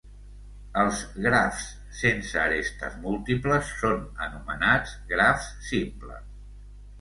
Els grafs sense arestes múltiples són anomenats grafs simples.